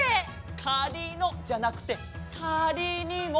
「かりの」じゃなくて「かりにも」。